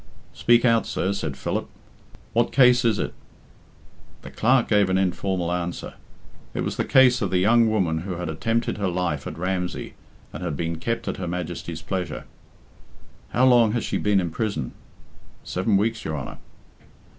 "Speak out, sir," said Philip. "What case is it?" The Clerk gave an informal answer. It was the case of the young woman who had attempted her life at Ramsey, and had been kept at Her Majesty's pleasure. "How long has she been in prison?" "Seven weeks, your Honour."